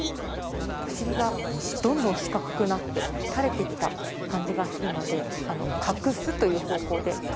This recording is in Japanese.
お尻がどんどん四角くなって垂れてきた感じがするので隠すという方法で。